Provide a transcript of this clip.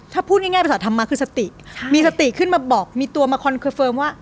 ถ้าพูดง่ายพรรษฐ้าธรรมาคคือสติมีสติขึ้นมาบอกคอนเคอร์เฟิร์มว่า